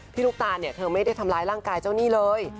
ลูกตาลเนี่ยเธอไม่ได้ทำร้ายร่างกายเจ้าหนี้เลย